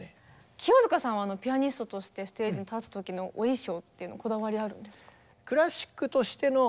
清塚さんはピアニストとしてステージに立つ時のお衣装っていうのはこだわりあるんですか？